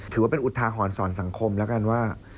ถือว่าเป็นอุทาหรณ์สอนสังคมแล้วกันว่า